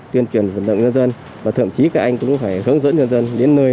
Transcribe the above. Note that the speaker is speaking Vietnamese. tuyên truyền vận động nhân dân và thậm chí các anh cũng phải hướng dẫn nhân dân đến nơi